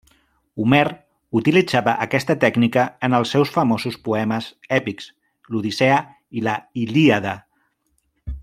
Homer utilitzava aquesta tècnica en els seus famosos poemes èpics, l'Odissea i la Ilíada.